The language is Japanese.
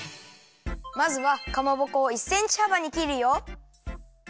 まずはかまぼこを１センチはばにきるよ！